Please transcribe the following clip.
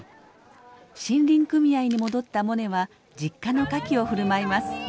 森林組合に戻ったモネは実家のカキを振る舞います。